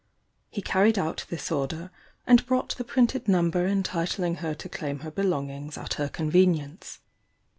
He carried out this order, and brought the printed number entitling her to claim her belongings at her convenience.